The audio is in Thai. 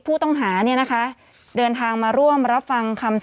ผู้ต้องหาที่ขับขี่รถจากอายานยนต์บิ๊กไบท์